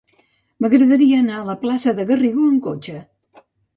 M'agradaria anar a la plaça de Garrigó amb cotxe.